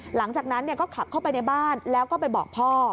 หลังจากนั้นก็ขับเข้าไปในบ้านแล้วก็ไปบอกพ่อ